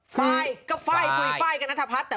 ฟ้ายก็ฟ้ายปุยฟ้ายกับณรฐพัฒน์